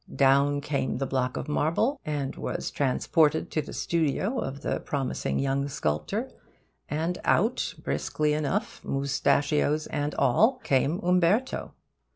Down came the block of marble, and was transported to the studio of the promising young sculptor; and out, briskly enough, mustachios and all, came Umberto.